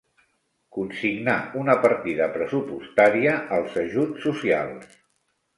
Consignar una partida pressupostària als ajuts socials.